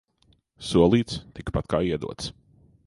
Solīts – tikpat kā iedots.